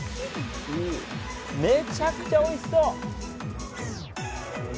めちゃくちゃおいしそう。